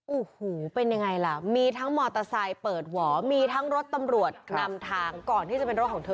โอ้โหเป็นยังไงล่ะมีทั้งมอเตอร์ไซค์เปิดหวอมีทั้งรถตำรวจนำทางก่อนที่จะเป็นรถของเธอ